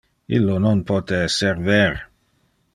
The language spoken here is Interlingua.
Illo non pote ser ver.